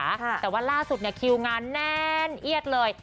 แต่ว่าล่าสุดเนี่ยคิวงานแน่นเอียดเลย